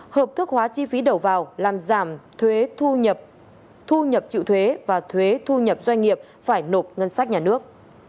hợp thức hóa chi phí đầu vào làm giảm thu nhập trữ thuế và thuế thu nhập doanh nghiệp phải nộp ngân sách nhà nước